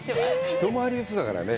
一回りずつだからね。